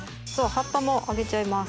葉っぱも揚げちゃいます。